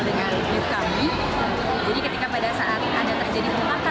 jadi ketika pada saat ada terjadi kematan turun ke bawah